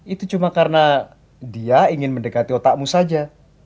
itu cuma karena dia ingin mendekati otakmu saja